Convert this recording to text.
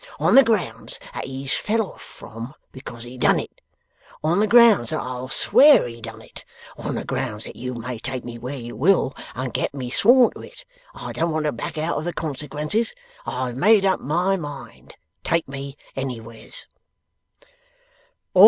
On the grounds that he's fell off from, because he done it. On the grounds that I will swear he done it. On the grounds that you may take me where you will, and get me sworn to it. I don't want to back out of the consequences. I have made up MY mind. Take me anywheres.